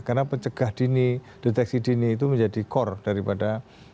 karena pencegah dini deteksi dini itu menjadi core daripada